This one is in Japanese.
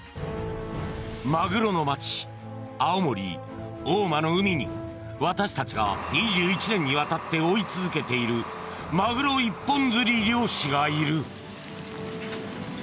マグロの街、青森・大間の海に、私たちが追い続けているマグロ一本釣り漁師がいる。